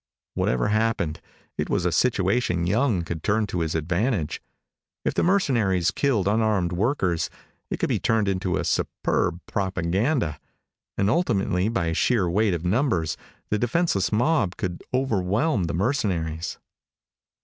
Whatever happened, it was a situation Young could turn to his advantage. If the mercenaries killed unarmed workers, it could be turned into superb propaganda. And ultimately, by sheer weight of numbers, the defenseless mob could overwhelm the mercenaries.